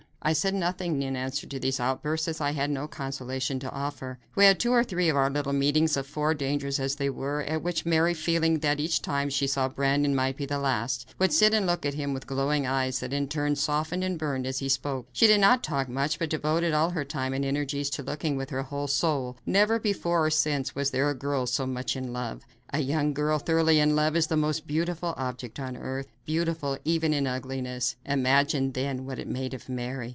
I said nothing in answer to these outbursts, as I had no consolation to offer. We had two or three of our little meetings of four, dangerous as they were, at which Mary, feeling that each time she saw Brandon might be the last, would sit and look at him with glowing eyes that in turn softened and burned as he spoke. She did not talk much, but devoted all her time and energies to looking with her whole soul. Never before or since was there a girl so much in love. A young girl thoroughly in love is the most beautiful object on earth beautiful even in ugliness. Imagine, then, what it made of Mary!